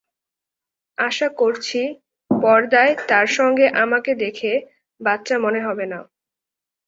আশা করছি, পর্দায় তাঁর সঙ্গে আমাকে দেখে বাচ্চা মনে হবে না।